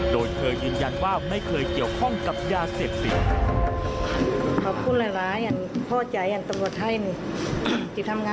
โดยเธอยืนยันว่าไม่เคยเกี่ยวข้องกับยาเสพติด